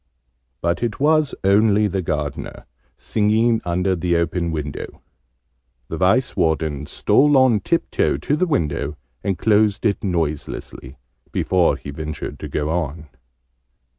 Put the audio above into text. But it was only the Gardener, singing under the open window. The Vice Warden stole on tip toe to the window, and closed it noiselessly, before he ventured to go on.